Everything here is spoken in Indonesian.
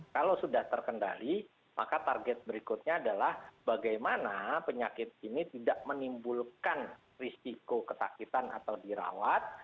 kalau sudah terkendali maka target berikutnya adalah bagaimana penyakit ini tidak menimbulkan risiko ketakitan atau dirawat